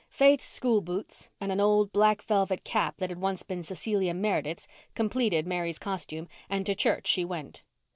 Faith's school boots, and an old black velvet cap that had once been Cecilia Meredith's, completed Mary's costume, and to church she went.